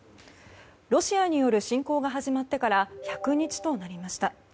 ロシアによる侵攻が始まってから１００日となりました。